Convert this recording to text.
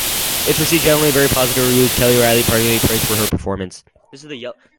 It received generally very positive reviews, Kelly Reilly particularly praised for her performance.